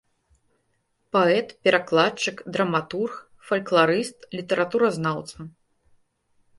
Паэт, перакладчык, драматург, фалькларыст, літаратуразнаўца.